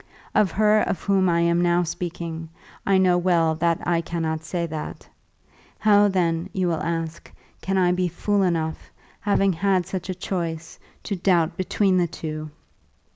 Of her of whom I am now speaking, I know well that I cannot say that. How then, you will ask, can I be fool enough, having had such a choice, to doubt between the two!